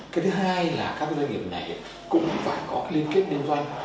cái thứ hai là các doanh nghiệp này cũng phải có liên kết liên doanh